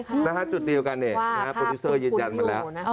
นะฮะจุดเดียวกันเนี่ยนะฮะโปรดิวเซอร์ยืนยันมาแล้ว